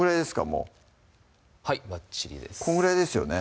もうはいばっちりですこんぐらいですよね